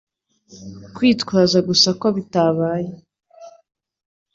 Kwitwaza gusa ko bitabaye